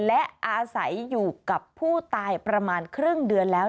และอาศัยอยู่กับผู้ตายประมาณครึ่งเดือนแล้ว